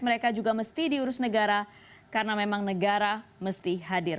mereka juga mesti diurus negara karena memang negara mesti hadir